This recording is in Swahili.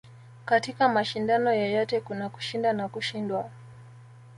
katika mashindano yoyote kuna kushinda na kushindwa